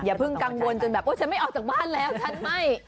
อย่าเพิ่งกังวลจนแบบโอ๊ยฉันไม่ออกจากบ้านแล้วฉันไม่